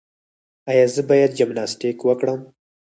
ایا زه باید جمناسټیک وکړم؟